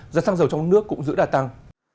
giá xăng dầu trong nước cũng giữ đà tăng